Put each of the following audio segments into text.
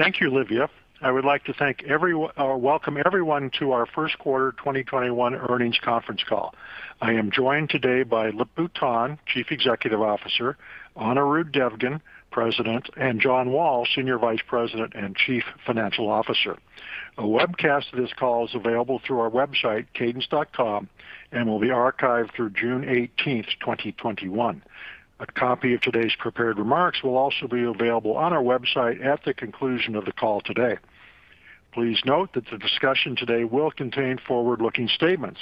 Thank you, Livia. I would like to welcome everyone to our first quarter 2021 earnings conference call. I am joined today by Lip-Bu Tan, Chief Executive Officer, Anirudh Devgan, President, and John Wall, Senior Vice President and Chief Financial Officer. A webcast of this call is available through our website, cadence.com, and will be archived through June 18, 2021. A copy of today's prepared remarks will also be available on our website at the conclusion of the call today. Please note that the discussion today will contain forward-looking statements.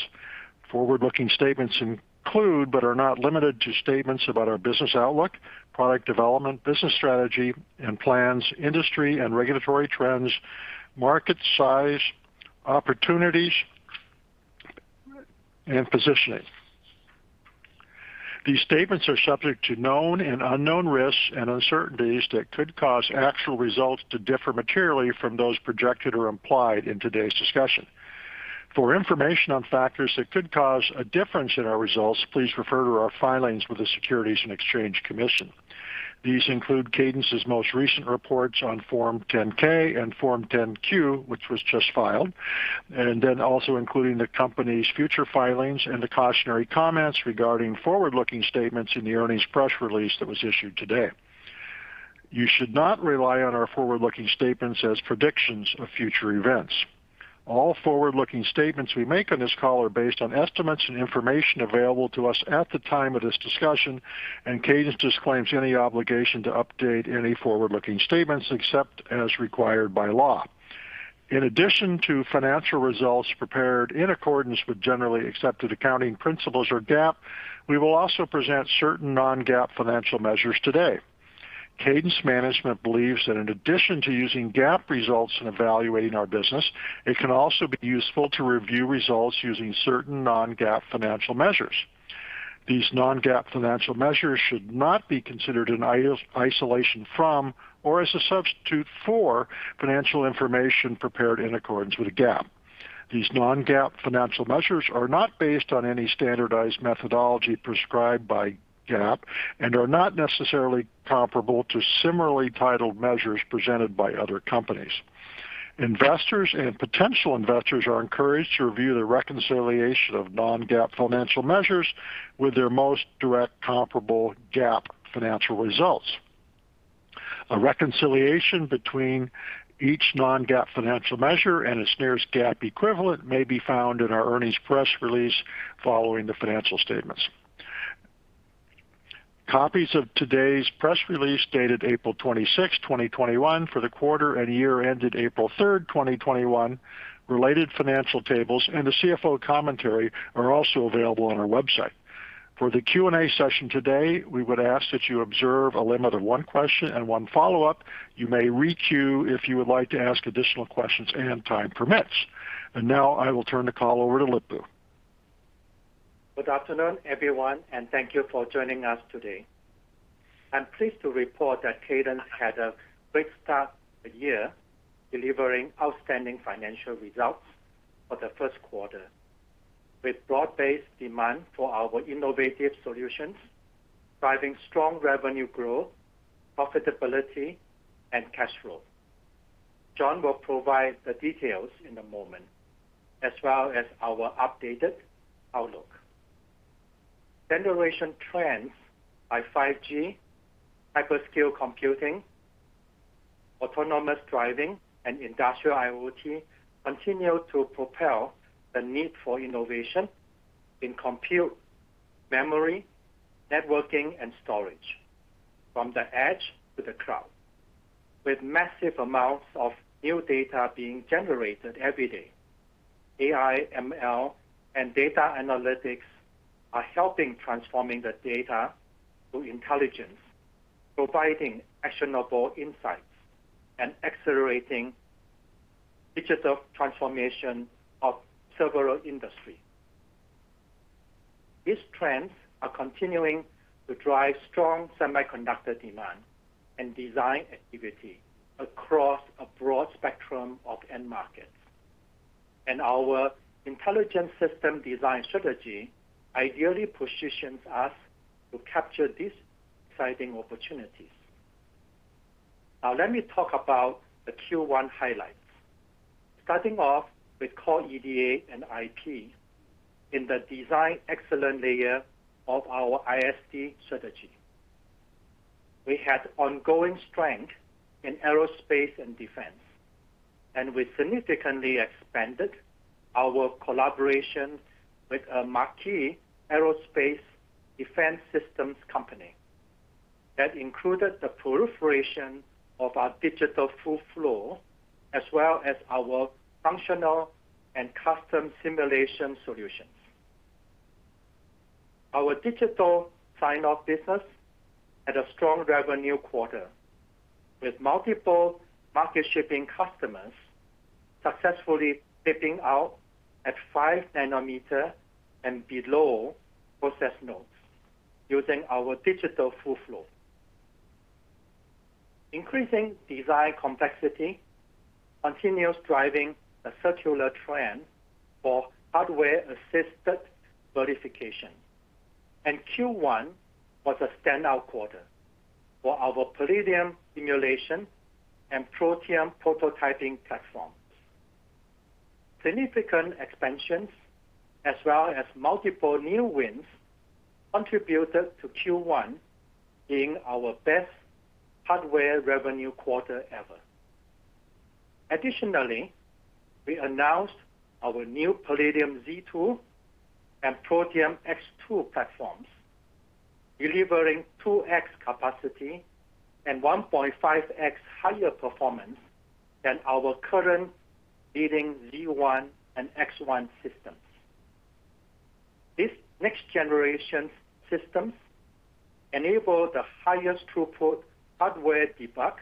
Forward-looking statements include, but are not limited to, statements about our business outlook, product development, business strategy and plans, industry and regulatory trends, market size, opportunities, and positioning. These statements are subject to known and unknown risks and uncertainties that could cause actual results to differ materially from those projected or implied in today's discussion. For information on factors that could cause a difference in our results, please refer to our filings with the Securities and Exchange Commission. These include Cadence's most recent reports on Form 10-K and Form 10-Q, which was just filed, and then also including the company's future filings and the cautionary comments regarding forward-looking statements in the earnings press release that was issued today. You should not rely on our forward-looking statements as predictions of future events. All forward-looking statements we make on this call are based on estimates and information available to us at the time of this discussion, and Cadence disclaims any obligation to update any forward-looking statements, except as required by law. In addition to financial results prepared in accordance with generally accepted accounting principles, or GAAP, we will also present certain non-GAAP financial measures today. Cadence management believes that in addition to using GAAP results in evaluating our business, it can also be useful to review results using certain non-GAAP financial measures. These non-GAAP financial measures should not be considered in isolation from, or as a substitute for, financial information prepared in accordance with GAAP. These non-GAAP financial measures are not based on any standardized methodology prescribed by GAAP and are not necessarily comparable to similarly titled measures presented by other companies. Investors and potential investors are encouraged to review the reconciliation of non-GAAP financial measures with their most direct comparable GAAP financial results. A reconciliation between each non-GAAP financial measure and its nearest GAAP equivalent may be found in our earnings press release following the financial statements. Copies of today's press release, dated April 26, 2021, for the quarter and year ended April 3rd, 2021, related financial tables, and the CFO commentary are also available on our website. For the Q&A session today, we would ask that you observe a limit of one question and one follow-up. You may re-queue if you would like to ask additional questions and time permits. Now I will turn the call over to Lip-Bu Tan. Good afternoon, everyone, and thank you for joining us today. I'm pleased to report that Cadence had a great start to the year, delivering outstanding financial results for the first quarter, with broad-based demand for our innovative solutions, driving strong revenue growth, profitability, and cash flow. John will provide the details in a moment, as well as our updated outlook. Generation trends like 5G, hyperscale computing, autonomous driving, and industrial IoT continue to propel the need for innovation in compute, memory, networking, and storage from the edge to the cloud. With massive amounts of new data being generated every day, AI, ML, and data analytics are helping transforming the data to intelligence, providing actionable insights, and accelerating digital transformation of several industry. These trends are continuing to drive strong semiconductor demand and design activity across a broad spectrum of end markets. Our Intelligent System Design strategy ideally positions us to capture these exciting opportunities. Now let me talk about the Q1 highlights. Starting off with core EDA and IP in the design excellence layer of our ISD strategy. We had ongoing strength in aerospace and defense, and we significantly expanded our collaboration with a marquee aerospace defense systems company. That included the proliferation of our digital full flow, as well as our functional and custom simulation solutions. Our digital sign-off business had a strong revenue quarter, with multiple market-shaping customers successfully taping out at 5 nm and below process nodes using our digital full flow. Increasing design complexity continues driving a secular trend for hardware-assisted verification. Q1 was a standout quarter for our Palladium simulation and Protium prototyping platforms. Significant expansions, as well as multiple new wins, contributed to Q1 being our best hardware revenue quarter ever. Additionally, we announced our new Palladium Z2 and Protium X2 platforms, delivering 2x capacity and 1.5x higher performance than our current leading Palladium Z1 and Protium X1 systems. These next generation systems enable the highest throughput hardware debug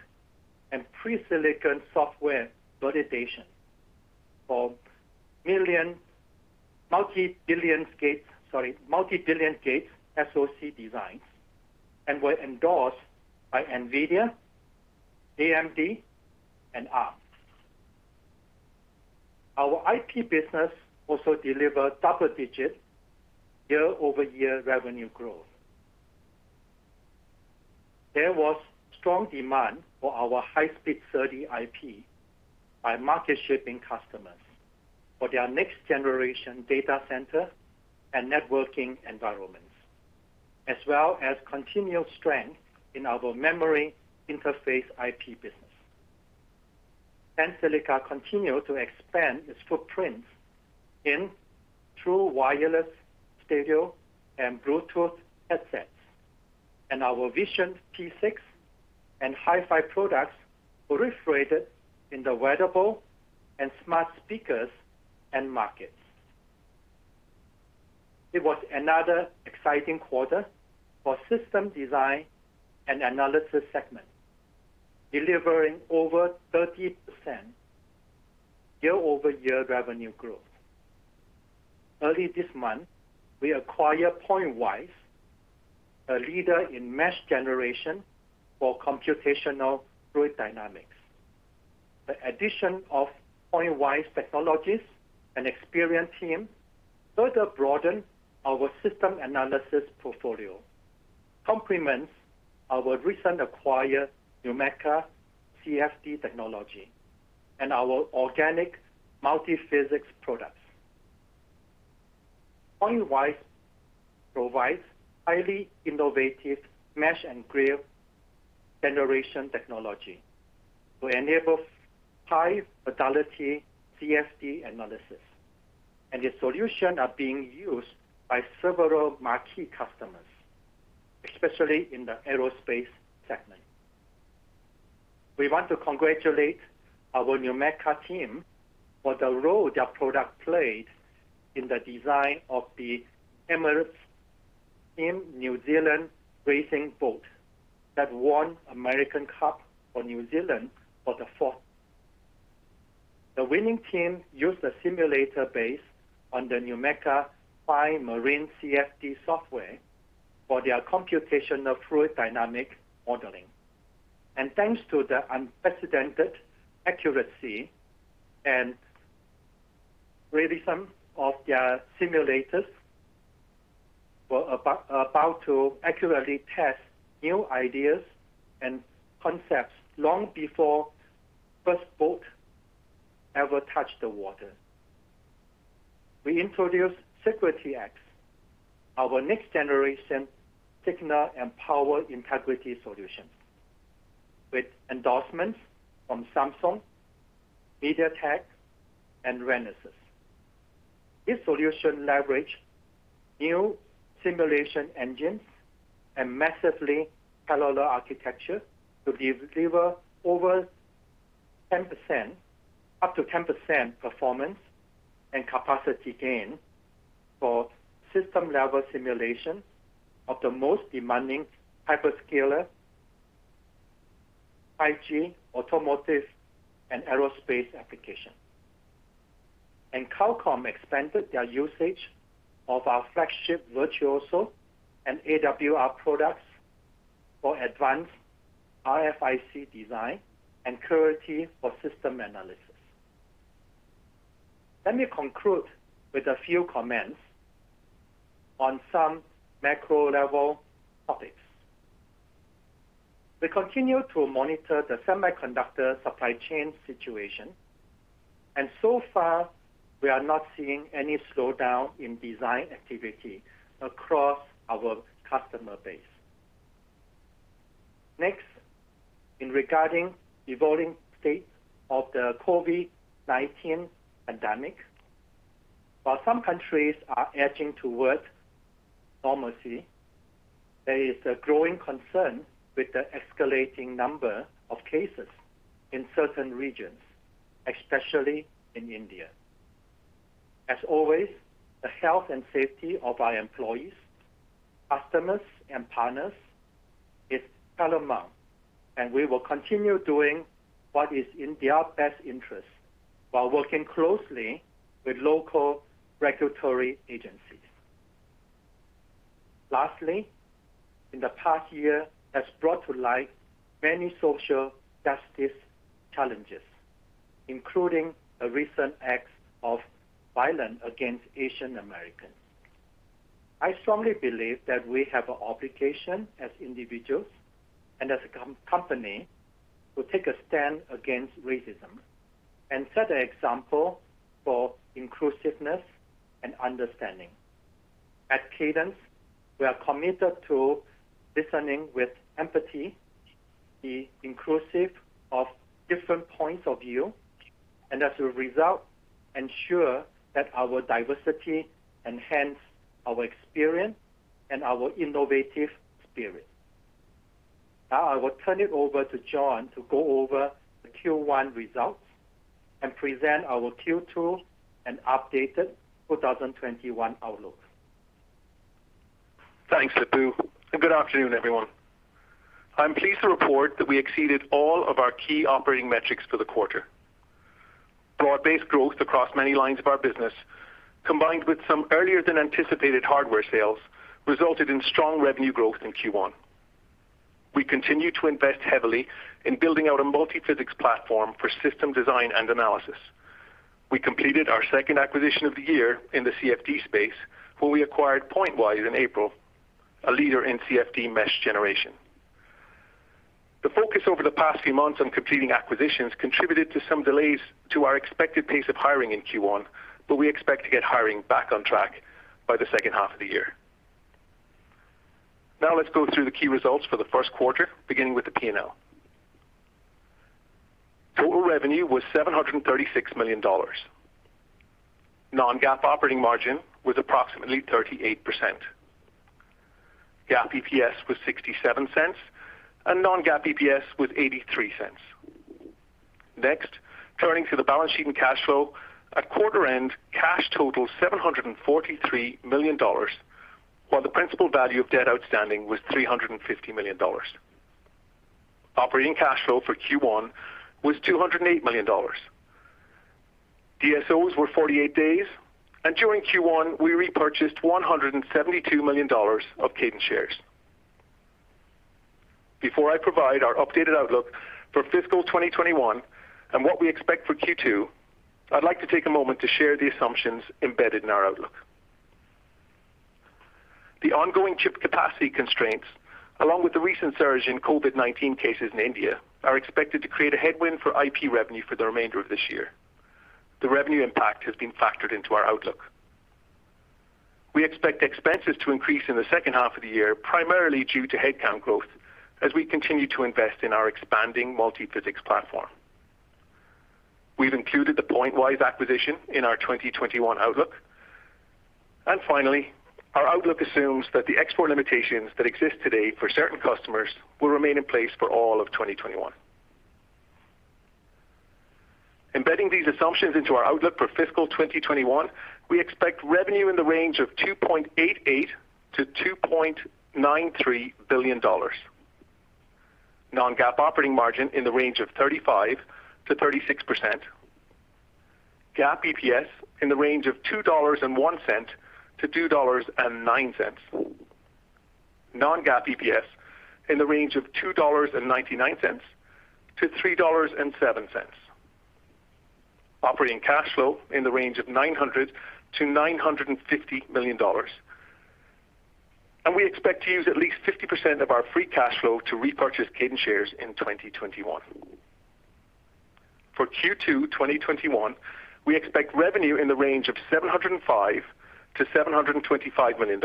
and pre-silicon software validation for multi-billion gate SoC designs and were endorsed by NVIDIA, AMD, and Arm. Our IP business also delivered double-digit year-over-year revenue growth. There was strong demand for our high-speed SerDes IP by market-shipping customers for their next generation data center and networking environments, as well as continual strength in our memory interface IP business. Tensilica continued to expand its footprint in true wireless stereo and Bluetooth headsets. Our Vision P6 and HiFi products proliferated in the wearable and smart speakers end markets. It was another exciting quarter for system design and analysis segment, delivering over 30% year-over-year revenue growth. Early this month, we acquired Pointwise, a leader in mesh generation for computational fluid dynamics. The addition of Pointwise technologies and experienced teams further broaden our system analysis portfolio, complements our recent acquired NUMECA CFD technology and our organic multi-physics products. Pointwise provides highly innovative mesh and grid generation technology to enable high-fidelity CFD analysis. Their solutions are being used by several marquee customers, especially in the aerospace segment. We want to congratulate our NUMECA team for the role their product played in the design of the Emirates Team New Zealand racing boat that won America's Cup for New Zealand for the fourth. The winning team used a simulator based on the NUMECA FINE/Marine CFD software for their computational fluid dynamic modeling. Thanks to the unprecedented accuracy and realism of their simulators, we're about to accurately test new ideas and concepts long before first boat ever touched the water. We introduced Sigrity X, our next-generation signal and power integrity solution, with endorsements from Samsung, MediaTek and Renesas. This solution leverages new simulation engines and massively parallel architecture to deliver up to 10% performance and capacity gain for system-level simulation of the most demanding hyperscaler, 5G, automotive, and aerospace applications. Qualcomm expanded their usage of our flagship Virtuoso Studio RF and AWR Design Environment products for advanced RFIC design and Clarity 3D for system analysis. Let me conclude with a few comments on some macro-level topics. We continue to monitor the semiconductor supply chain situation. So far, we are not seeing any slowdown in design activity across our customer base. Next, regarding the evolving state of the COVID-19 pandemic. While some countries are edging towards normalcy, there is a growing concern with the escalating number of cases in certain regions, especially in India. As always, the health and safety of our employees, customers, and partners is paramount, and we will continue doing what is in their best interest while working closely with local regulatory agencies. Lastly, in the past year has brought to light many social justice challenges, including recent acts of violence against Asian Americans. I strongly believe that we have an obligation as individuals and as a company to take a stand against racism and set an example for inclusiveness and understanding. At Cadence, we are committed to listening with empathy, be inclusive of different points of view, and as a result, ensure that our diversity enhance our experience and our innovative spirit. Now I will turn it over to John to go over the Q1 results and present our Q2 and updated 2021 outlook. Thanks, Lip-Bu Tan. Good afternoon, everyone. I'm pleased to report that we exceeded all of our key operating metrics for the quarter. Broad-based growth across many lines of our business, combined with some earlier than anticipated hardware sales, resulted in strong revenue growth in Q1. We continue to invest heavily in building out a multi-physics platform for system design and analysis. We completed our second acquisition of the year in the CFD space, where we acquired Pointwise in April, a leader in CFD mesh generation. The focus over the past few months on completing acquisitions contributed to some delays to our expected pace of hiring in Q1, but we expect to get hiring back on track by the second half of the year. Now let's go through the key results for the first quarter, beginning with the P&L. Total revenue was $736 million. Non-GAAP operating margin was approximately 38%. GAAP EPS was $0.67, and non-GAAP EPS was $0.83. Next, turning to the balance sheet and cash flow. At quarter end, cash total $743 million, while the principal value of debt outstanding was $350 million. Operating cash flow for Q1 was $208 million. DSOs were 48 days, and during Q1, we repurchased $172 million of Cadence shares. Before I provide our updated outlook for fiscal 2021 and what we expect for Q2, I'd like to take a moment to share the assumptions embedded in our outlook. The ongoing chip capacity constraints, along with the recent surge in COVID-19 cases in India, are expected to create a headwind for IP revenue for the remainder of this year. The revenue impact has been factored into our outlook. We expect expenses to increase in the second half of the year, primarily due to headcount growth as we continue to invest in our expanding multi-physics platform. We've included the Pointwise acquisition in our 2021 outlook. Finally, our outlook assumes that the export limitations that exist today for certain customers will remain in place for all of 2021. Embedding these assumptions into our outlook for fiscal 2021, we expect revenue in the range of $2.88 billion-$2.93 billion. non-GAAP operating margin in the range of 35%-36%. GAAP EPS in the range of $2.01-$2.09. non-GAAP EPS in the range of $2.99-$3.07. Operating cash flow in the range of $900 million-$950 million. We expect to use at least 50% of our free cash flow to repurchase Cadence shares in 2021. For Q2 2021, we expect revenue in the range of $705 million-$725 million.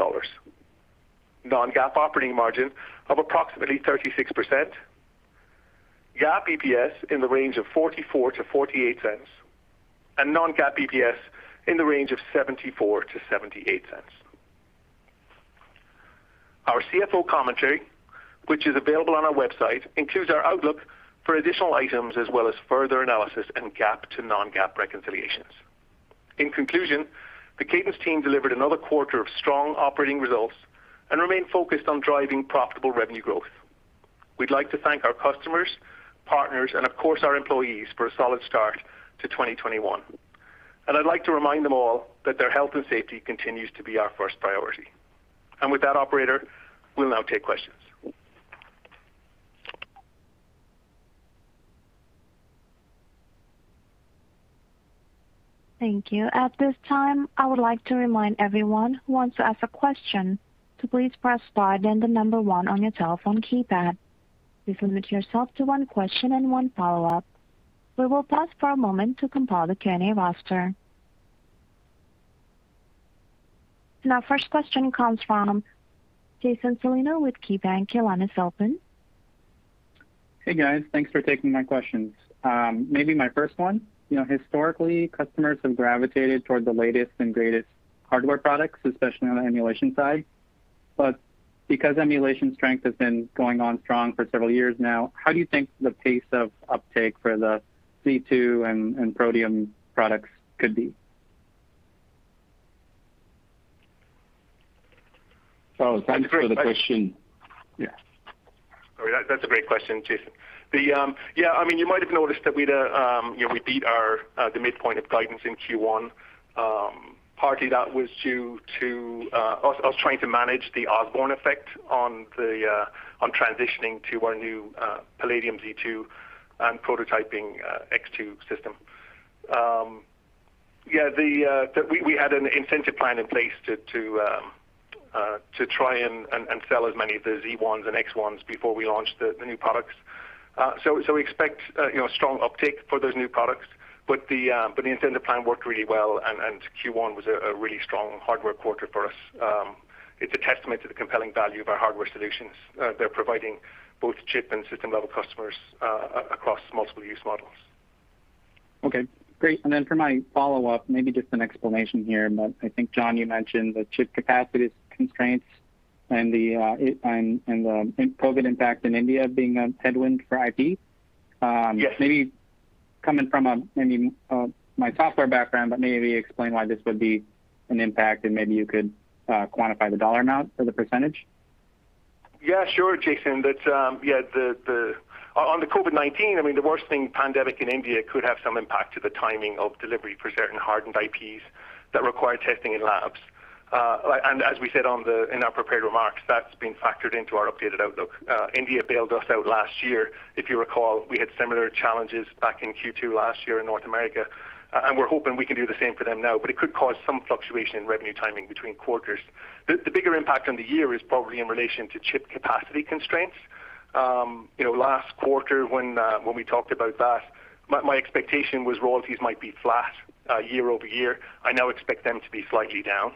Non-GAAP operating margin of approximately 36%. GAAP EPS in the range of $0.44-$0.48, and non-GAAP EPS in the range of $0.74-$0.78. Our CFO commentary, which is available on our website, includes our outlook for additional items as well as further analysis and GAAP to non-GAAP reconciliations. In conclusion, the Cadence team delivered another quarter of strong operating results and remain focused on driving profitable revenue growth. We'd like to thank our customers, partners, and of course, our employees, for a solid start to 2021. I'd like to remind them all that their health and safety continues to be our first priority. With that, operator, we'll now take questions. Thank you. At this time I would like to remind everyone who want to ask a question to please press star the number one on your telephone keypad. Please limit yourself to one question and one follow-up. We will pause for a moment to compile the Q&A roster. Our first question comes from Jason Celino with KeyBanc Capital Markets. Hey, guys. Thanks for taking my questions. Maybe my first one. Historically, customers have gravitated toward the latest and greatest hardware products, especially on the emulation side. Because emulation strength has been going on strong for several years now, how do you think the pace of uptake for the Palladium Z2 and Protium products could be? Thanks for the question. Yeah, that's a great question, Jason. You might have noticed that we beat the midpoint of guidance in Q1. Partly that was due to us trying to manage the Osborne effect on transitioning to our new Palladium Z2 and prototyping Protium X2 system. We had an incentive plan in place to try and sell as many of the Palladium Z1s and Protium X1s before we launched the new products. We expect strong uptick for those new products. The incentive plan worked really well, and Q1 was a really strong hardware quarter for us. It's a testament to the compelling value of our hardware solutions that are providing both chip and system-level customers across multiple use models. Okay, great. For my follow-up, maybe just an explanation here, I think, John, you mentioned the chip capacity constraints and the COVID impact in India being a headwind for IP. Yes. Maybe coming from my software background, but maybe explain why this would be an impact, and maybe you could quantify the dollar amount or the percentage? Yeah, sure, Jason. On the COVID-19, the worsening pandemic in India could have some impact to the timing of delivery for certain hardened IPs that require testing in labs. As we said in our prepared remarks, that's been factored into our updated outlook. India bailed us out last year. If you recall, we had similar challenges back in Q2 last year in North America, we're hoping we can do the same for them now, it could cause some fluctuation in revenue timing between quarters. The bigger impact on the year is probably in relation to chip capacity constraints. Last quarter, when we talked about that, my expectation was royalties might be flat year-over-year. I now expect them to be slightly down.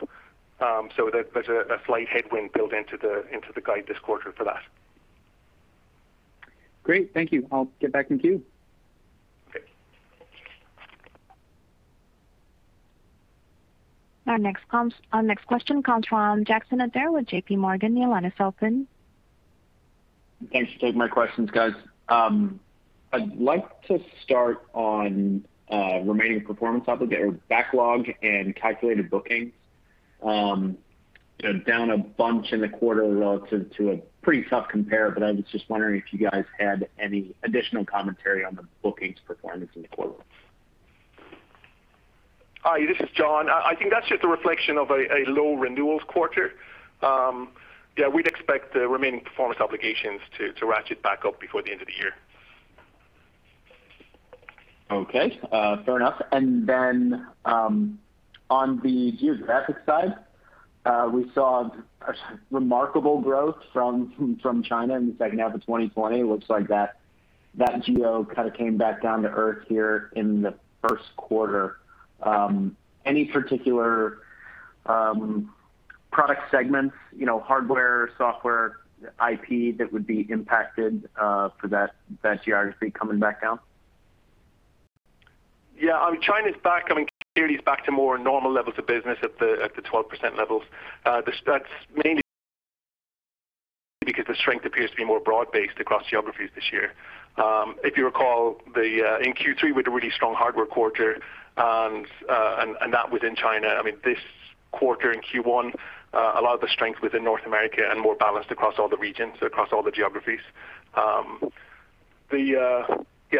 There's a slight headwind built into the guide this quarter for that. Great, thank you. I'll get back in queue. Okay. Our next question comes from Jackson Ader with JPMorgan. Thanks for taking my questions, guys. I'd like to start on remaining performance or backlog and calculated bookings. Down a bunch in the quarter relative to a pretty tough compare. I was just wondering if you guys had any additional commentary on the bookings performance in the quarter. Hi, this is John. I think that's just a reflection of a low renewals quarter. Yeah, we'd expect the remaining performance obligations to ratchet back up before the end of the year. Okay, fair enough. On the geographic side, we saw remarkable growth from China in the second half of 2020. Looks like that geo kind of came back down to earth here in the first quarter. Any particular product segments, hardware, software, IP, that would be impacted for that geography coming back down? Yeah. China's back, coming clearly back to more normal levels of business at the 12% levels. That's mainly because the strength appears to be more broad-based across geographies this year. If you recall, in Q3, we had a really strong hardware quarter, and that was in China. This quarter, in Q1, a lot of the strength was in North America and more balanced across all the regions, across all the geographies.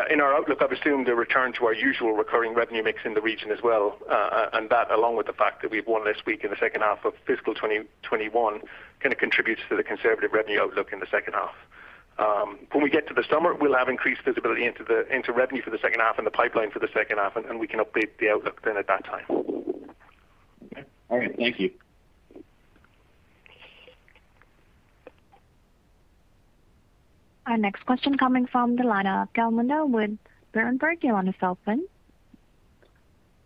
In our outlook, I've assumed a return to our usual recurring revenue mix in the region as well. That, along with the fact that we have one less week in the second half of fiscal 2021, kind of contributes to the conservative revenue outlook in the second half. When we get to the summer, we'll have increased visibility into revenue for the second half and the pipeline for the second half, and we can update the outlook then at that time. Okay. All right, thank you. Our next question coming from the line of Gal Munda with Berenberg. Your line is open.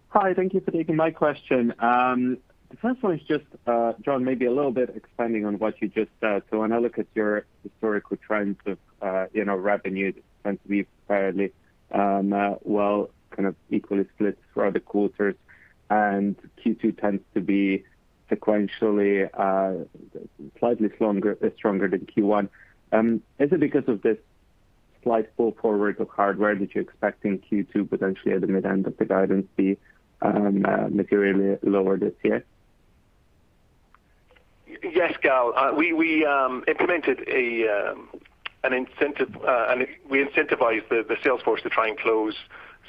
Hi, thank you for taking my question. The first one is just, John, maybe a little bit expanding on what you just said. When I look at your historical trends of revenue, they tend to be fairly well, kind of equally split throughout the quarters, and Q2 tends to be sequentially slightly stronger than Q1. Is it because of this slight pull forward of hardware that you're expecting Q2 potentially at the mid end of the guidance be materially lower this year? Yes, Gal. We incentivized the sales force to try and close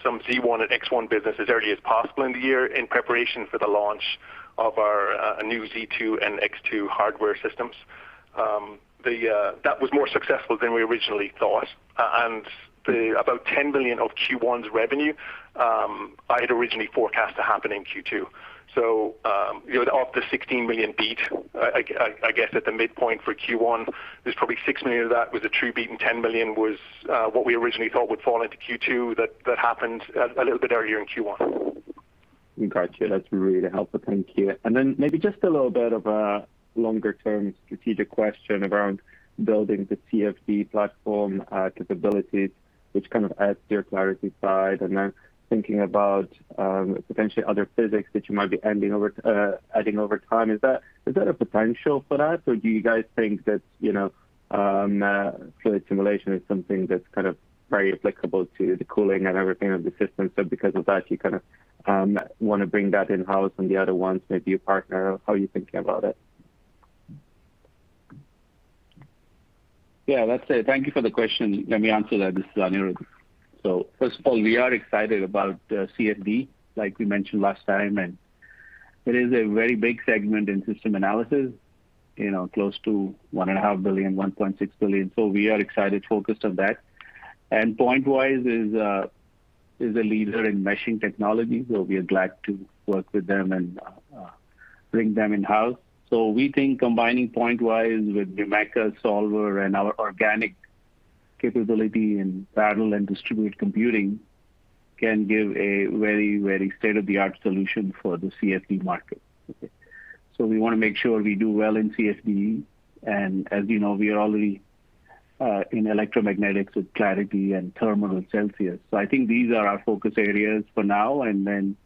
some Palladium Z1 and Protium X1 business as early as possible in the year in preparation for the launch of our new Palladium Z2 and Protium X2 hardware systems. About $10 million of Q1's revenue I had originally forecast to happen in Q2. Of the $16 million beat, I guess at the midpoint for Q1, there's probably $6 million of that was a true beat, and $10 million was what we originally thought would fall into Q2 that happened a little bit earlier in Q1. Got you. That's really helpful. Thank you. Maybe just a little bit of a longer-term strategic question around building the CFD platform capabilities, which kind of adds to your Clarity side. Thinking about potentially other physics that you might be adding over time. Is there a potential for that, or do you guys think that fluid simulation is something that's kind of very applicable to the cooling and everything of the system, so because of that, you kind of want to bring that in-house and the other ones maybe you partner? How are you thinking about it? Yeah, that's it. Thank you for the question. Let me answer that. This is Anirudh. First of all, we are excited about CFD, like we mentioned last time, and it is a very big segment in system analysis, close to $1.5 billion, $1.6 billion. We are excited, focused on that. Pointwise is a leader in meshing technology, so we are glad to work with them and bring them in-house. We think combining Pointwise with the NUMECA solver and our organic capability in parallel and distributed computing can give a very state-of-the-art solution for the CFD market. Okay. We want to make sure we do well in CFD, and as you know, we are already in electromagnetics with Clarity and thermal with Celsius. I think these are our focus areas for now, and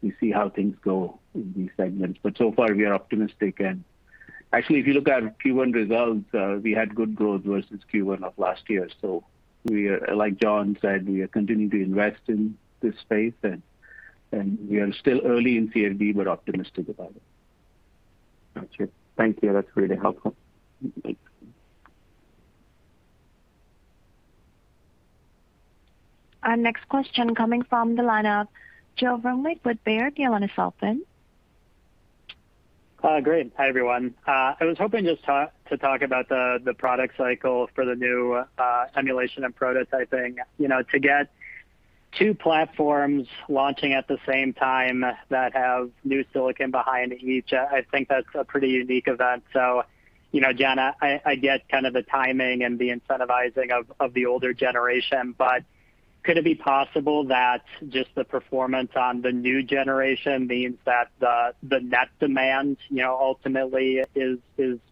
then we see how things go in these segments. So far, we are optimistic. Actually, if you look at Q1 results, we had good growth versus Q1 of last year. Like John said, we are continuing to invest in this space and we are still early in CFD, but optimistic about it. Got you. Thank you. That's really helpful. Our next question coming from the line of Joe Vruwink with Baird. Great. Hi, everyone. I was hoping just to talk about the product cycle for the new emulation and prototyping. To get two platforms launching at the same time that have new silicon behind each, I think that's a pretty unique event. John, I get kind of the timing and the incentivizing of the older generation, but could it be possible that just the performance on the new generation means that the net demand ultimately is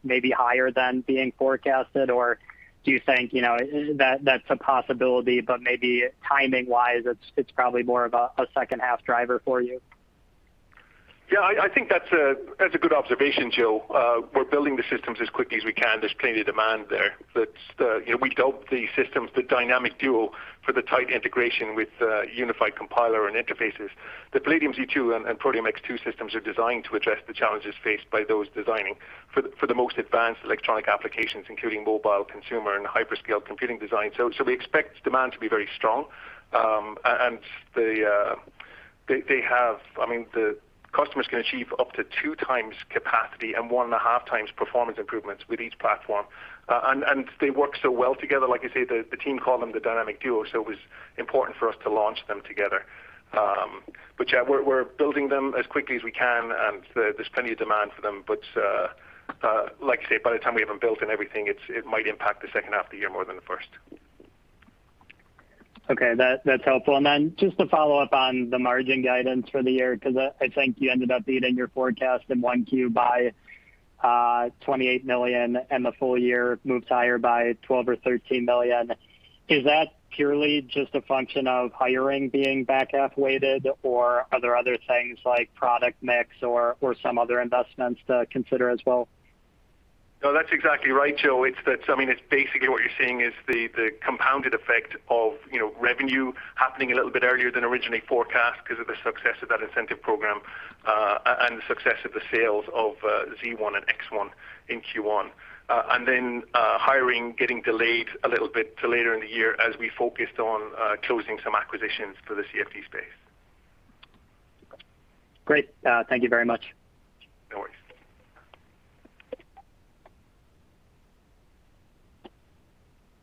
maybe higher than being forecasted? Do you think that's a possibility, but maybe timing-wise, it's probably more of a second half driver for you? Yeah, I think that's a good observation, Joe. We're building the systems as quickly as we can. There's plenty of demand there. We dubbed the systems the dynamic duo for the tight integration with unified compiler and interfaces. The Palladium Z2 and Protium X2 systems are designed to address the challenges faced by those designing for the most advanced electronic applications, including mobile consumer and hyperscale computing design. We expect demand to be very strong. The customers can achieve up to two times capacity and one and a half times performance improvements with each platform. They work so well together. Like I say, the team call them the dynamic duo, so it was important for us to launch them together. Yeah, we're building them as quickly as we can, and there's plenty of demand for them. Like I say, by the time we have them built and everything, it might impact the second half of the year more than the first. Okay. That's helpful. Just to follow up on the margin guidance for the year, because I think you ended up beating your forecast in 1Q by $28 million, and the full year moved higher by $12 million or $13 million. Is that purely just a function of hiring being back half weighted, or are there other things like product mix or some other investments to consider as well? No, that's exactly right, Joe. It's basically what you're seeing is the compounded effect of revenue happening a little bit earlier than originally forecast because of the success of that incentive program, and the success of the sales of Palladium Z1 and Protium X1 in Q1. Hiring getting delayed a little bit to later in the year as we focused on closing some acquisitions for the CFD space. Great. Thank you very much.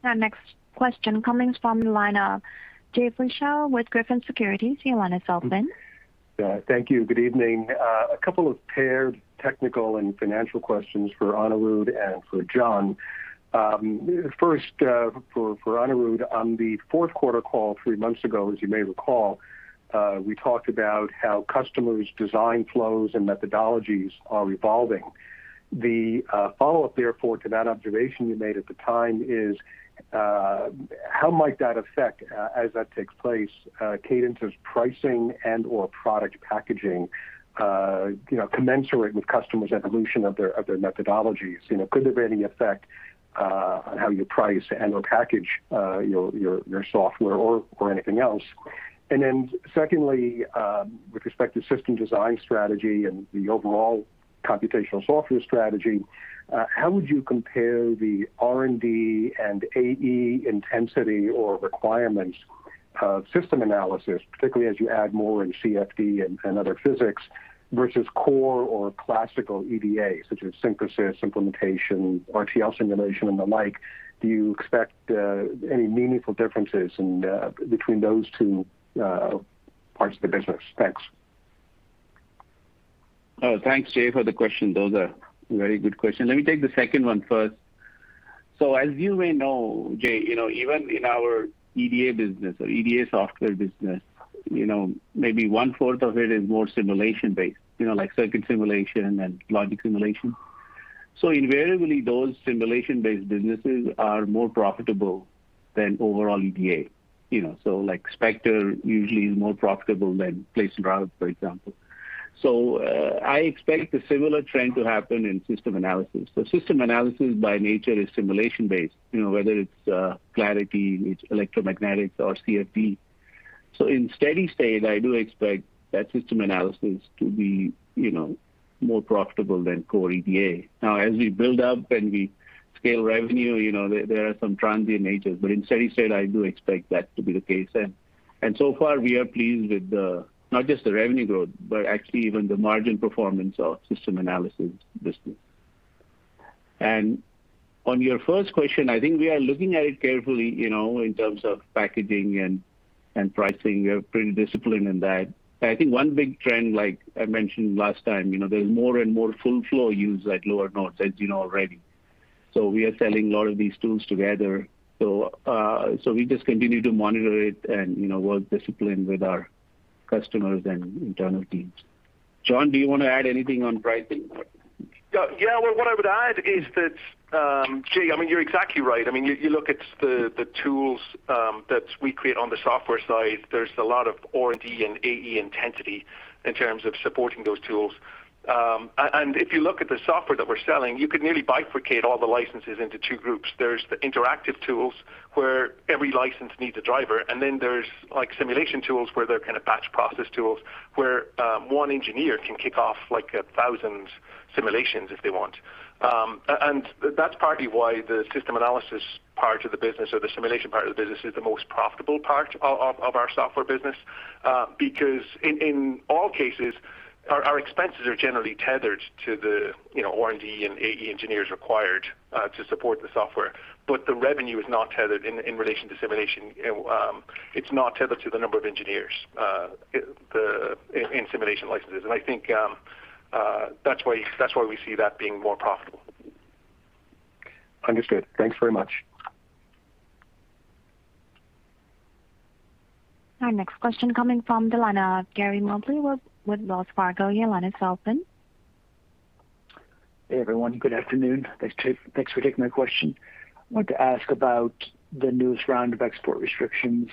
No worries. Our next question coming from the line of Jay Vleeschhouwer with Griffin Securities. Your line is open. Yeah. Thank you. Good evening. A couple of paired technical and financial questions for Anirudh and for John. First, for Anirudh, on the fourth quarter call three months ago, as you may recall, we talked about how customers' design flows and methodologies are evolving. The follow-up therefore to that observation you made at the time is, how might that affect, as that takes place, Cadence's pricing and/or product packaging commensurate with customers' evolution of their methodologies? Could there be any effect on how you price and/or package your software or anything else? Secondly, with respect to system design strategy and the overall computational software strategy, how would you compare the R&D and AE intensity or requirements of system analysis, particularly as you add more in CFD and other physics, versus core or classical EDA, such as synthesis, implementation, RTL simulation and the like? Do you expect any meaningful differences between those two parts of the business? Thanks. Thanks, Jay, for the question. Those are very good questions. Let me take the second one first. As you may know, Jay, even in our EDA business or EDA software business, maybe one-fourth of it is more simulation-based, like circuit simulation and logic simulation. Invariably those simulation-based businesses are more profitable than overall EDA. Like Spectre X Simulator usually is more profitable than place and route, for example. I expect a similar trend to happen in system analysis. System analysis by nature is simulation-based, whether it's Clarity, it's electromagnetics or CFD. In steady state, I do expect that system analysis to be more profitable than core EDA. As we build up and we scale revenue, there are some transient natures, but in steady state, I do expect that to be the case. So far, we are pleased with not just the revenue growth, but actually even the margin performance of system analysis business. On your first question, I think we are looking at it carefully, in terms of packaging and pricing. We are pretty disciplined in that. I think one big trend, like I mentioned last time, there's more and more full flow used at lower nodes as you know already. We are selling a lot of these tools together. We just continue to monitor it and work discipline with our customers and internal teams. John, do you want to add anything on pricing? Yeah. Well, what I would add is that, Jay, you're exactly right. You look at the tools that we create on the software side, there's a lot of R&D and AE intensity in terms of supporting those tools. If you look at the software that we're selling, you could nearly bifurcate all the licenses into two groups. There's the interactive tools, where every license needs a driver, and then there's simulation tools where they're kind of batch process tools, where one engineer can kick off 1,000 simulations if they want. That's partly why the system analysis part of the business or the simulation part of the business is the most profitable part of our software business. In all cases, our expenses are generally tethered to the R&D and AE engineers required to support the software. The revenue is not tethered in relation to simulation. It's not tethered to the number of engineers in simulation licenses. I think that's why we see that being more profitable. Understood. Thanks very much. Our next question coming from the line of Gary Mobley with Wells Fargo. Your line is open. Hey, everyone. Good afternoon. Thanks for taking my question. I wanted to ask about the newest round of export restrictions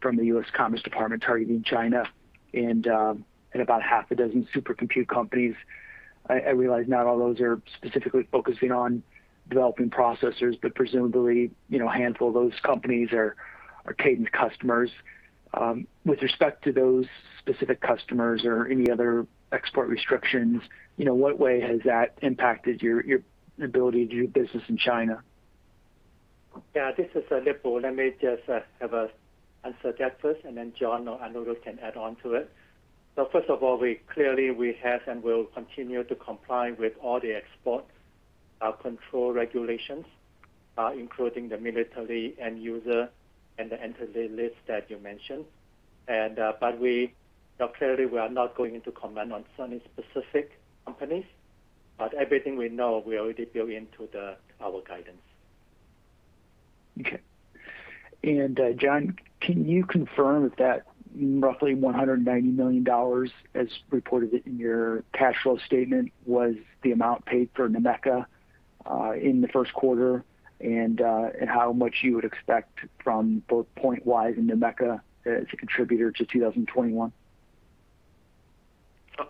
from the U.S. Department of Commerce targeting China and about half a dozen supercomputer companies. I realize not all those are specifically focusing on developing processors, but presumably, a handful of those companies are Cadence customers. With respect to those specific customers or any other export restrictions, what way has that impacted your ability to do business in China? Yeah, this is Lip-Bu Tan. Let me just have a answer that first, and then John or Anirudh Devgan can add on to it. First of all, clearly we have and will continue to comply with all the export control regulations, including the military end user and the entity list that you mentioned. Clearly we are not going to comment on certain specific companies, but everything we know we already built into our guidance. Okay. John, can you confirm that roughly $190 million as reported in your cash flow statement was the amount paid for NUMECA in the first quarter, and how much you would expect from both Pointwise and NUMECA as a contributor to 2021?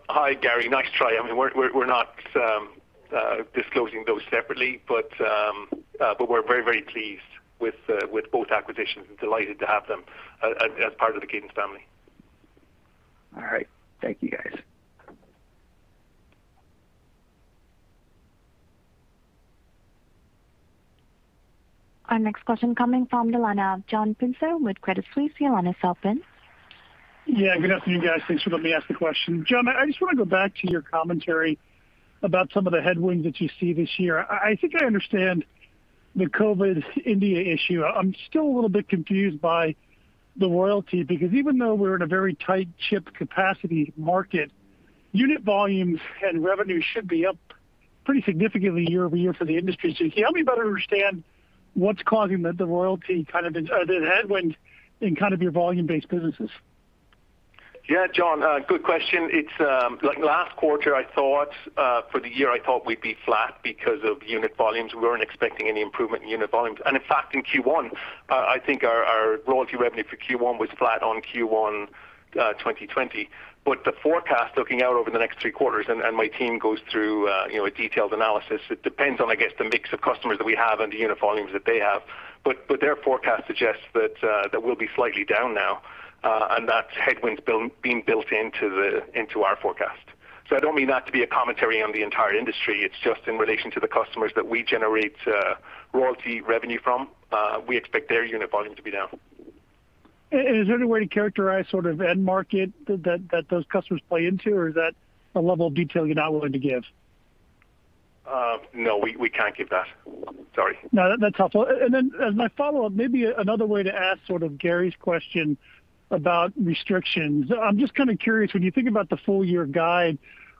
Hi, Gary. Nice try. We're not disclosing those separately. We're very pleased with both acquisitions and delighted to have them as part of the Cadence family. All right. Thank you, guys. Our next question coming from the line of John Pitzer with Credit Suisse. Your line is open. Yeah, good afternoon, guys. Thanks for letting me ask the question. John, I just want to go back to your commentary about some of the headwinds that you see this year. I think I understand the COVID India issue. I'm still a little bit confused by the royalty, because even though we're in a very tight chip capacity market, unit volumes and revenue should be up pretty significantly year-over-year for the industry. Can you help me better understand what's causing the royalty kind of the headwind in kind of your volume-based businesses? Yeah. John, good question. Last quarter, for the year, I thought we'd be flat because of unit volumes. We weren't expecting any improvement in unit volumes. In fact, in Q1, I think our royalty revenue for Q1 was flat on Q1 2020. The forecast looking out over the next three quarters, and my team goes through a detailed analysis. It depends on, I guess, the mix of customers that we have and the unit volumes that they have. Their forecast suggests that we'll be slightly down now, and that headwind's being built into our forecast. I don't mean that to be a commentary on the entire industry, it's just in relation to the customers that we generate royalty revenue from. We expect their unit volume to be down. Is there any way to characterize sort of end market that those customers play into, or is that a level of detail you're not willing to give? No, we can't give that. Sorry. No, that's helpful. As my follow-up, maybe another way to ask sort of Gary's question about restrictions. I'm just kind of curious, when you think about the full year guide,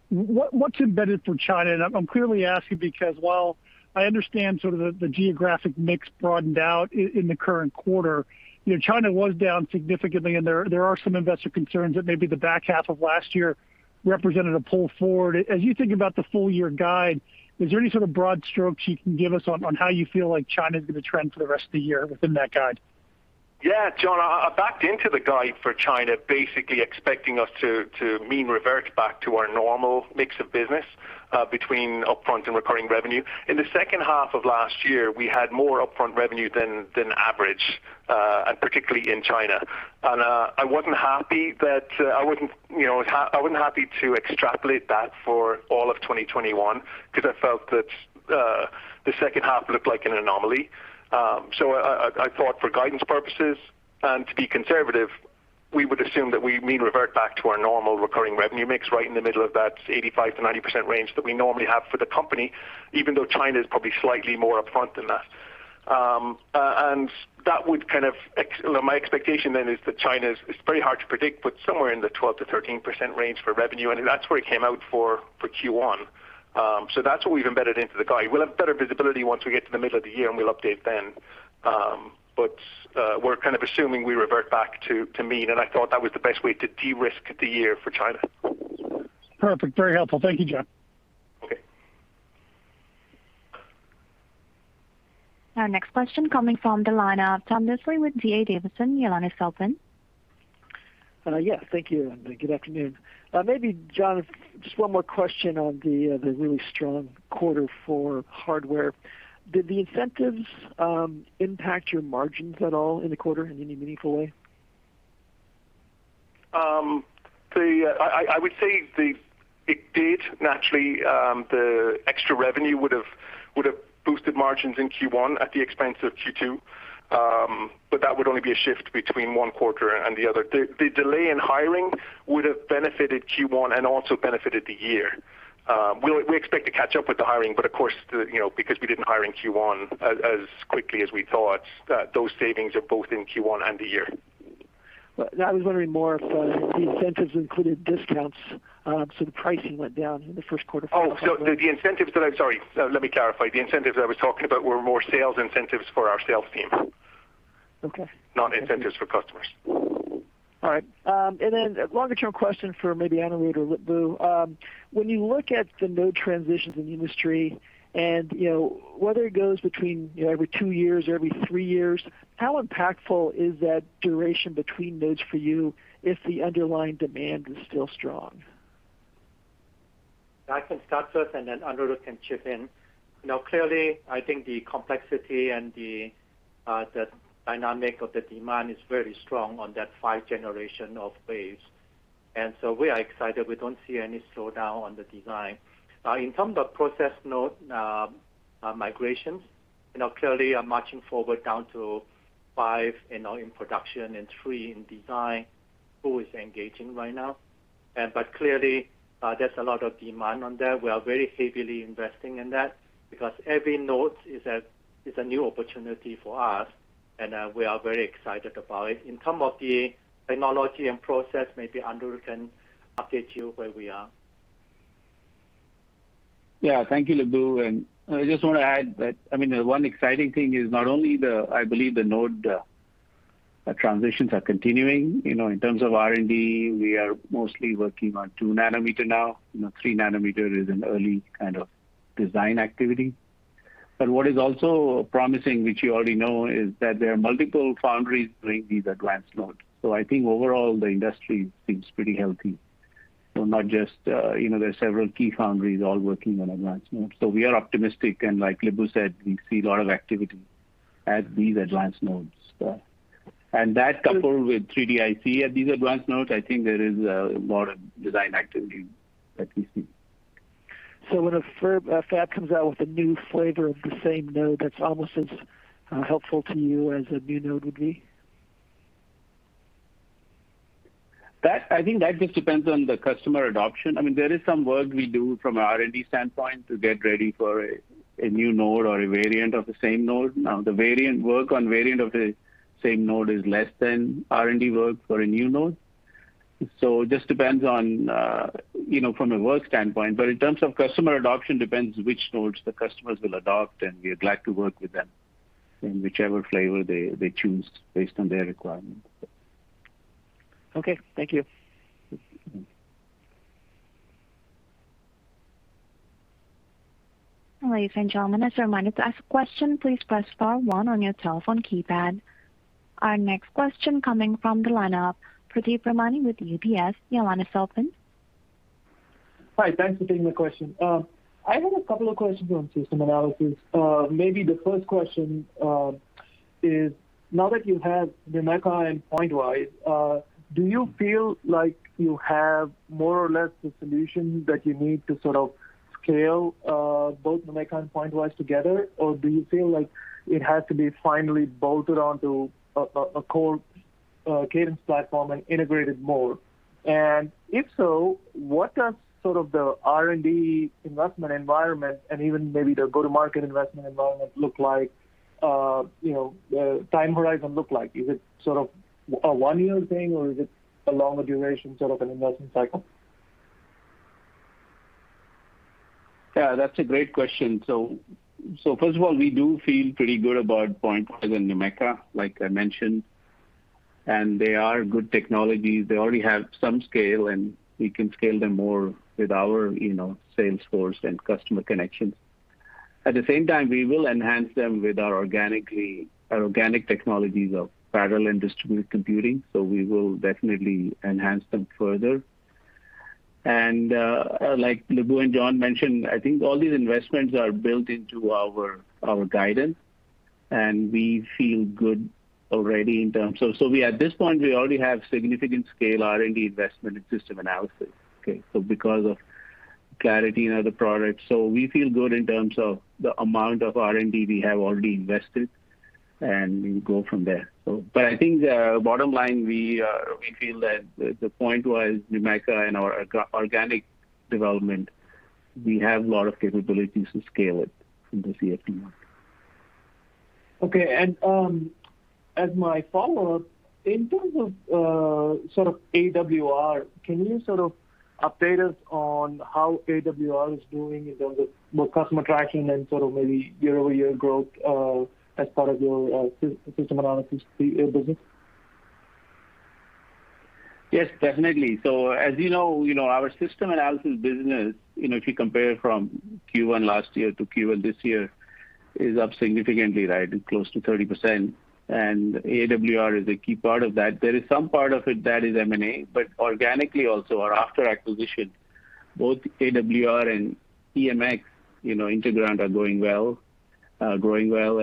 what's embedded for China? I'm clearly asking because while I understand sort of the geographic mix broadened out in the current quarter, China was down significantly, and there are some investor concerns that maybe the back half of last year represented a pull forward. As you think about the full year guide, is there any sort of broad strokes you can give us on how you feel like China's going to trend for the rest of the year within that guide? Yeah, John, I backed into the guide for China basically expecting us to mean revert back to our normal mix of business between upfront and recurring revenue. In the second half of last year, we had more upfront revenue than average, and particularly in China. I wasn't happy to extrapolate that for all of 2021, because I felt that the second half looked like an anomaly. I thought for guidance purposes and to be conservative, we would assume that we mean revert back to our normal recurring revenue mix right in the middle of that 85%-90% range that we normally have for the company, even though China is probably slightly more upfront than that. My expectation then is that China is pretty hard to predict, but somewhere in the 12%-13% range for revenue, and that's where it came out for Q1. That's what we've embedded into the guide. We'll have better visibility once we get to the middle of the year, and we'll update then. We're kind of assuming we revert back to mean, and I thought that was the best way to de-risk the year for China. Perfect. Very helpful. Thank you, John. Okay. Our next question coming from the line of Tom Diffely with D.A. Davidson. Yeah. Thank you and good afternoon. Maybe, John, just one more question on the really strong quarter for hardware. Did the incentives impact your margins at all in the quarter in any meaningful way? I would say it did naturally. The extra revenue would have boosted margins in Q1 at the expense of Q2. That would only be a shift between one quarter and the other. The delay in hiring would have benefited Q1 and also benefited the year. We expect to catch up with the hiring, of course, because we didn't hire in Q1 as quickly as we thought, those savings are both in Q1 and the year. I was wondering more if the incentives included discounts, so the pricing went down in the first quarter. Oh, sorry. Let me clarify. The incentives I was talking about were more sales incentives for our sales team. Okay. Not incentives for customers. All right. A longer-term question for maybe Anirudh Devgan or Lip-Bu Tan. When you look at the node transitions in the industry and whether it goes between every two years or every three years, how impactful is that duration between nodes for you if the underlying demand is still strong? I can start first, and then Anirudh can chip in. Clearly, I think the complexity and the dynamic of the demand is very strong on that 5G. We are excited. We don't see any slowdown on the design. Now, in terms of process node migrations, clearly I'm marching forward down to five in production and three in design, who is engaging right now. Clearly, there's a lot of demand on that. We are very heavily investing in that because every node is a new opportunity for us, and we are very excited about it. In terms of the technology and process, maybe Anirudh can update you where we are. Yeah. Thank you, Lip-Bu Tan. I just want to add that one exciting thing is not only I believe the node transitions are continuing. In terms of R&D, we are mostly working on 2 nm now. 3 nm is an early kind of design activity. What is also promising, which you already know, is that there are multiple foundries doing these advanced node. I think overall, the industry seems pretty healthy. There are several key foundries all working on advanced node. We are optimistic, and like Lip-Bu Tan said, we see a lot of activity at these advanced nodes. That coupled with 3D IC at these advanced nodes, I think there is a lot of design activity that we see. When a fab comes out with a new flavor of the same node, that's almost as helpful to you as a new node would be? I think that just depends on the customer adoption. There is some work we do from an R&D standpoint to get ready for a new node or a variant of the same node. The work on variant of the same node is less than R&D work for a new node. It just depends from a work standpoint, but in terms of customer adoption, depends which nodes the customers will adopt, and we are glad to work with them in whichever flavor they choose based on their requirements. Okay. Thank you. Ladies and gentlemen, as a reminder, to ask a question, please press star one on your telephone keypad. Our next question coming from the line of Pradeep Ramani with UBS. Your line is open. Hi, thanks for taking my question. I have a couple of questions on system analysis. Maybe the first question is, now that you have NUMECA and Pointwise, do you feel like you have more or less the solution that you need to sort of scale both NUMECA and Pointwise together, or do you feel like it has to be finally bolted onto a core Cadence platform and integrated more? If so, what does sort of the R&D investment environment and even maybe the go-to-market investment environment look like? The time horizon look like? Is it sort of a one-year thing, or is it a longer duration sort of an investment cycle? Yeah, that's a great question. First of all, we do feel pretty good about Pointwise and NUMECA, like I mentioned. They are good technologies. They already have some scale, and we can scale them more with our sales force and customer connections. At the same time, we will enhance them with our organic technologies of parallel and distributed computing. We will definitely enhance them further. Like Lip-Bu Tan and John mentioned, I think all these investments are built into our guidance, and we feel good already in terms of At this point, we already have significant scale R&D investment in system analysis. Okay. Because of Clarity and other products. We feel good in terms of the amount of R&D we have already invested, and we'll go from there. I think the bottom line, we feel that Pointwise, NUMECA and our organic development, we have a lot of capabilities to scale it in the CFD market. Okay, as my follow-up, in terms of AWR, can you update us on how AWR is doing in terms of more customer traction and maybe year-over-year growth as part of your system analysis business? Yes, definitely. As you know, our system analysis business, if you compare from Q1 last year to Q1 this year, is up significantly, right. Close to 30%. AWR is a key part of that. There is some part of it that is M&A, organically also or after acquisition, both AWR and EMX, Integrand are growing well.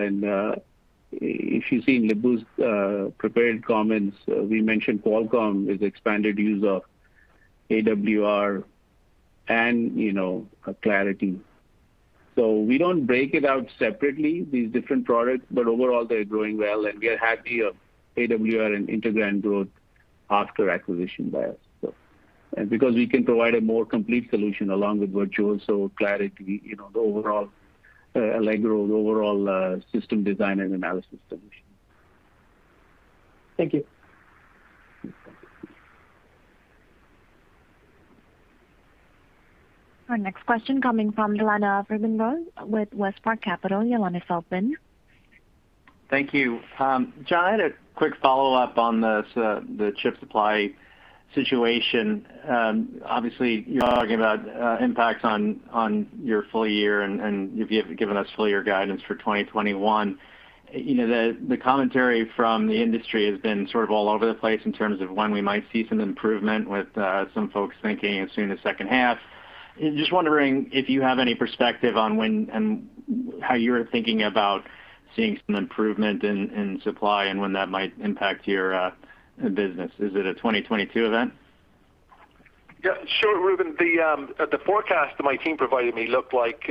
If you've seen Lip-Bu's prepared comments, we mentioned Qualcomm has expanded use of AWR and Clarity. We don't break it out separately, these different products. Overall, they're growing well. We are happy of AWR and Integrand growth after acquisition by us because we can provide a more complete solution along with Virtuoso, Clarity, and Allegro's overall system design and analysis solution. Thank you. Our next question coming from the line of Ruben Roy with WestPark Capital. Your line is open. Thank you. John, I had a quick follow-up on the chip supply situation. Obviously, you're talking about impacts on your full year, and you've given us full year guidance for 2021. The commentary from the industry has been sort of all over the place in terms of when we might see some improvement, with some folks thinking as soon as second half. Just wondering if you have any perspective on when and how you're thinking about seeing some improvement in supply and when that might impact your business. Is it a 2022 event? Yeah, sure, Ruben. The forecast my team provided me looked like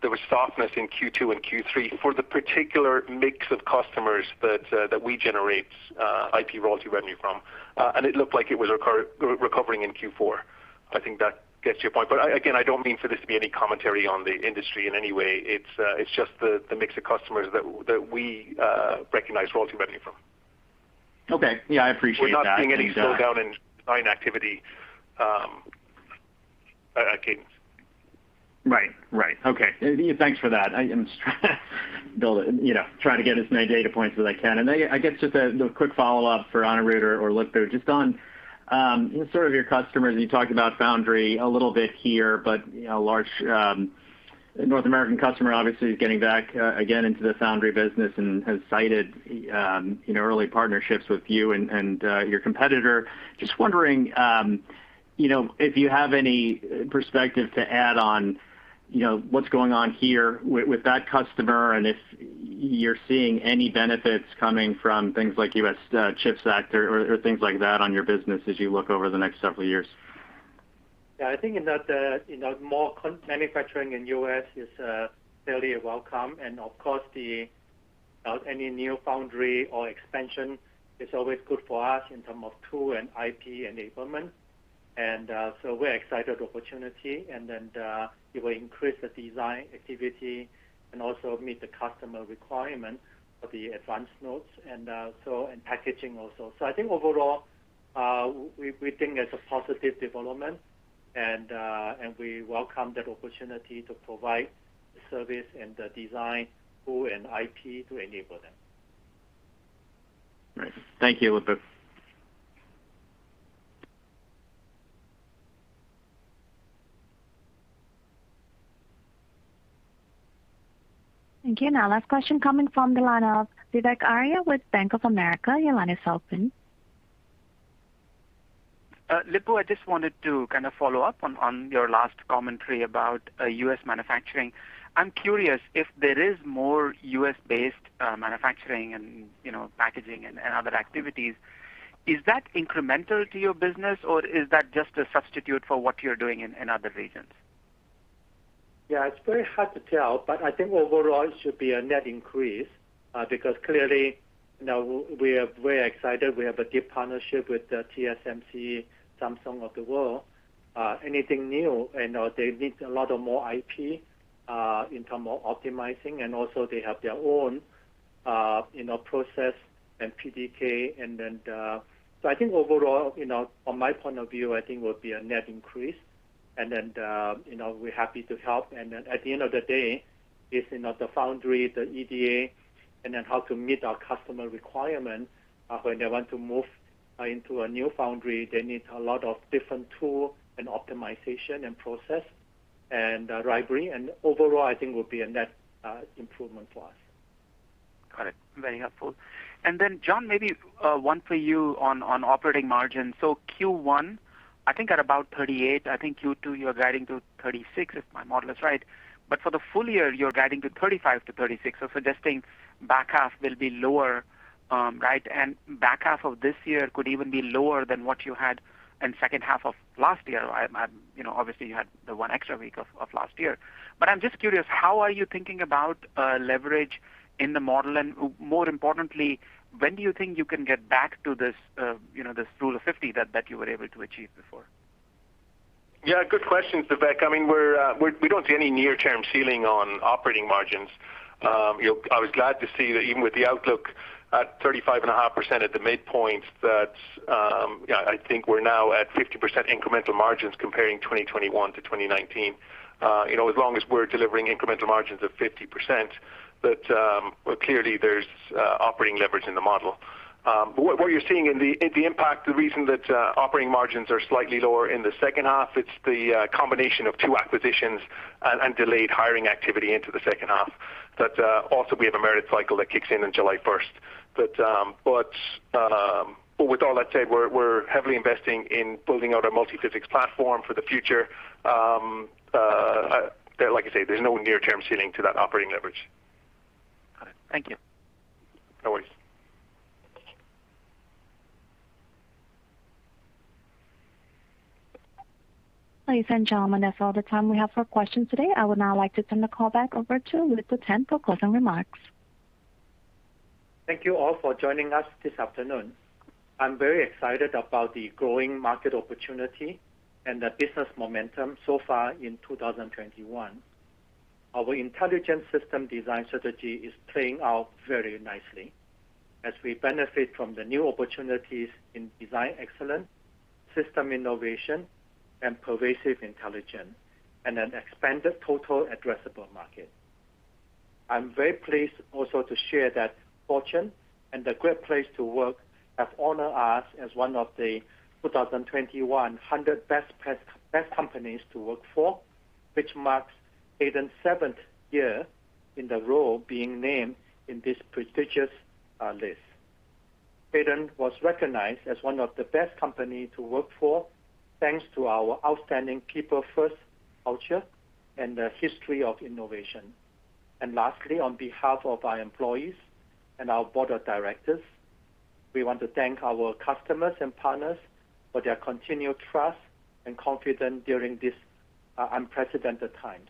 there was softness in Q2 and Q3 for the particular mix of customers that we generate IP royalty revenue from. It looked like it was recovering in Q4. I think that gets to your point. Again, I don't mean for this to be any commentary on the industry in any way. It's just the mix of customers that we recognize royalty revenue from. Okay. Yeah, I appreciate that. We're not seeing any slowdown in design activity at Cadence. Right. Okay. Thanks for that. I am trying to get as many data points as I can. I guess just a quick follow-up for Anirudh or Lip-Bu Tan just on sort of your customers, and you talked about Foundry a little bit here, but a large North American customer obviously is getting back again into the Foundry business and has cited early partnerships with you and your competitor. Just wondering if you have any perspective to add on what's going on here with that customer and if you're seeing any benefits coming from things like U.S. CHIPS Act or things like that on your business as you look over the next several years. Yeah, I think more manufacturing in U.S. is fairly welcome, and of course, any new Foundry or expansion is always good for us in term of tool and IP enablement. We're excited for opportunity, and then it will increase the design activity and also meet the customer requirement for the advanced nodes and packaging also. I think overall, we think it's a positive development, and we welcome that opportunity to provide the service and the design tool and IP to enable them. Right. Thank you, Lip-Bu Tan. Thank you. Now last question coming from the line of Vivek Arya with Bank of America. Your line is open. Lip-Bu, I just wanted to kind of follow up on your last commentary about U.S. manufacturing. I'm curious if there is more U.S.-based manufacturing and packaging and other activities, is that incremental to your business, or is that just a substitute for what you're doing in other regions? Yeah, it's very hard to tell, but I think overall it should be a net increase, because clearly, now we are very excited. We have a deep partnership with the TSMC, Samsung of the world. Anything new, they need a lot of more IP in terms of optimizing, and also they have their own process and PDK. I think overall, from my point of view, I think will be a net increase. We're happy to help. At the end of the day, it's the foundry, the EDA, and then how to meet our customer requirements when they want to move into a new foundry, they need a lot of different tool and optimization and process and library. Overall, I think will be a net improvement for us. Got it. Very helpful. John, maybe one for you on operating margin. Q1, I think at about 38%. I think Q2 you're guiding to 36%, if my model is right. For the full year, you're guiding to 35%-36%. Suggesting back half will be lower. Back half of this year could even be lower than what you had in second half of last year. Obviously, you had the one extra week of last year. I'm just curious, how are you thinking about leverage in the model? More importantly, when do you think you can get back to this rule of 50% that you were able to achieve before? Good question, Vivek. We don't see any near-term ceiling on operating margins. I was glad to see that even with the outlook at 35.5% at the midpoint, that I think we're now at 50% incremental margins comparing 2021-2019. As long as we're delivering incremental margins of 50%, that clearly there's operating leverage in the model. What you're seeing in the impact, the reason that operating margins are slightly lower in the second half, it's the combination of two acquisitions and delayed hiring activity into the second half. That also we have a merit cycle that kicks in on July 1st. With all that said, we're heavily investing in building out a multi-physics platform for the future. Like I say, there's no near-term ceiling to that operating leverage. Got it. Thank you. No worries. Ladies and gentlemen, that's all the time we have for questions today. I would now like to turn the call back over to Lip-Bu Tan for closing remarks. Thank you all for joining us this afternoon. I'm very excited about the growing market opportunity and the business momentum so far in 2021. Our Intelligent System Design strategy is playing out very nicely as we benefit from the new opportunities in design excellence, system innovation, and pervasive intelligence, and an expanded total addressable market. I'm very pleased also to share that Fortune and the Great Place to Work have honored us as one of the 2021 100 Best Companies to Work For, which marks Cadence's seventh year in the row being named in this prestigious list. Cadence was recognized as one of the best companies to work for, thanks to our outstanding people-first culture and the history of innovation. Lastly, on behalf of our employees and our board of directors, we want to thank our customers and partners for their continued trust and confidence during these unprecedented times.